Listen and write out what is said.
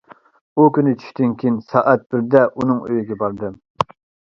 ئۇ كۈنى، چۈشتىن كېيىن سائەت بىردە ئۇنىڭ ئۆيىگە باردىم.